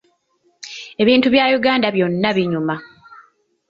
Ebintu bya Uganda byonna binyuma.